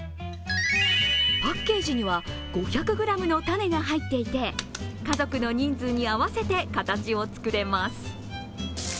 パッケージには５００ｇのたねが入っていて家族の人数に合わせて形を作れます。